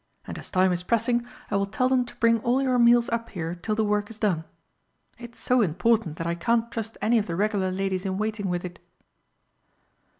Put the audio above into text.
And as time is pressing, I will tell them to bring all your meals up here till the work is done. It's so important that I can't trust any of the regular ladies in waiting with it."